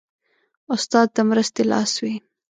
استاد د مرستې لاس وي.